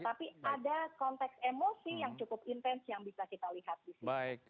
tapi ada konteks emosi yang cukup intens yang bisa kita lihat di sini